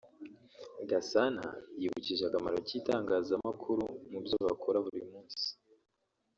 Gasana yibukije akamaro k’itangazamakuru mu byo bakora buri munsi